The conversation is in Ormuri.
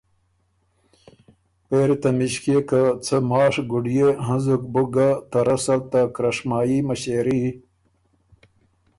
پېری تمِݭکيې که څۀ ماشک ګُډئے هنزُک بُک ګۀ ته رسل ته کرشمايي مِݭېري